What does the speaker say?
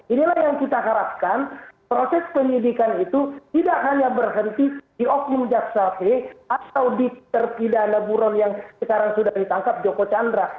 inilah yang kita harapkan proses penyidikan itu tidak hanya berhenti di oknum jaksa p atau di terpidana buron yang sekarang sudah ditangkap joko chandra